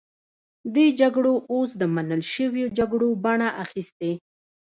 دې جګړو اوس د منل شویو جګړو بڼه اخیستې.